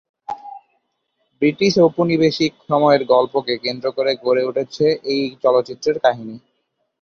British ঔপনিবেশিক সময়ের গল্পকে কেন্দ্র করে গড়ে উঠেছে এই চলচ্চিত্রের কাহিনি।